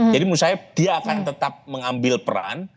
jadi menurut saya dia akan tetap mengambil peran